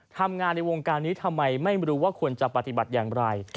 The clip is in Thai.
ทำงานในวงการนี้ทำไมไม่รู้ว่าควรจะปฏิบัติอย่างไร